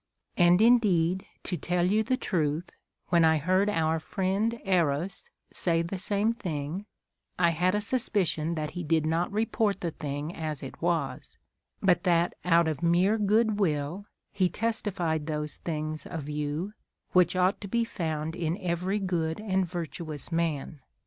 And indeed, to tell you the truth, when I heard our friend Eros say the same thing, I had a suspicion that he did not report the thing as it was, but that out of mere good will he testified those things of you which ought to be found in every good and virtuous man.